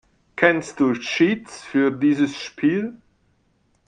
Kennst du Cheats für dieses Spiel?